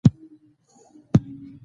وسله د ښوونځي دروازې بندوي